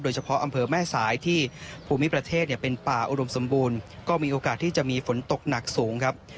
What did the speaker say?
เฉพาะอำเภอแม่สายที่ภูมิประเทศเนี่ยเป็นป่าอุดมสมบูรณ์ก็มีโอกาสที่จะมีฝนตกหนักสูงครับ